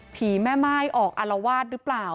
แม่ม่ายออกอารวาสหรือเปล่า